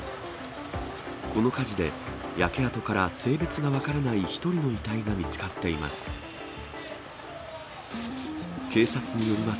この火事で、焼け跡から性別が分からない１人の遺体が見つかっています。